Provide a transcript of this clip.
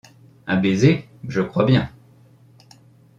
Un baiser ! je crois bien.